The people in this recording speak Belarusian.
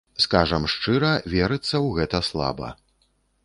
Скажам шчыра, верыцца ў гэта слаба.